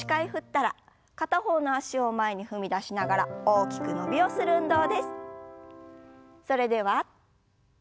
片方の脚を前に踏み出しながら大きく伸びをしましょう。